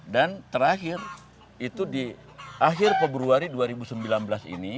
dan terakhir itu di akhir peburuari dua ribu sembilan belas ini